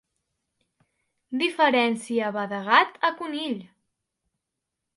Diferència va de gat a conill!